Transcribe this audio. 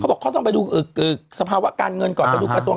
เขาบอกเขาต้องไปดูสภาวะการเงินก่อน